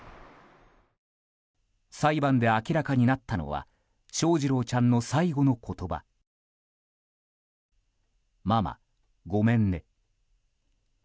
裁判で明らかになったのは翔士郎ちゃんの最後の言葉ママ、ごめんね。